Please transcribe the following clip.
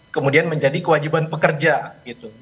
kemudian menjadi kewajiban pekerja gitu